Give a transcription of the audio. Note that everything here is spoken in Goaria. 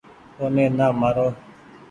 اوني نآ مآرو ۔